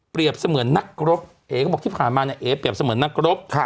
เปรียบเสมือนนักรบเองบอกที่ผ่านมาเองเปรียบเสมือนนักรบ